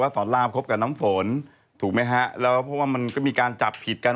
สอนรามคบกับน้ำฝนถูกไหมฮะแล้วเพราะว่ามันก็มีการจับผิดกัน